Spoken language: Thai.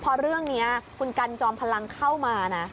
พอเรื่องนี้คุณกันจอมพลังเข้ามานะ